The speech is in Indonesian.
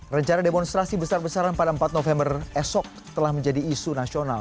rencana demonstrasi besar besaran pada empat november esok telah menjadi isu nasional